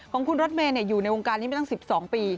ของคุณรถเมย์อยู่ในวงการนี้มาตั้ง๑๒ปี